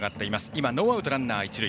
今、ノーアウトランナー、一塁。